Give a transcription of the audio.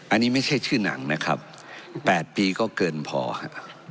อันนี้ไม่ใช่ชื่อหนังนะครับ๘ปีก็เกินพอครับ